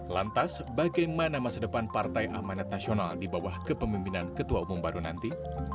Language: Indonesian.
lantas bagaimana masa depan partai amanat nasional di bawah kepemimpinan ketua umum baru nanti